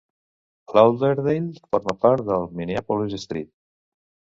Lauderdale forma part de Minneapolis-St.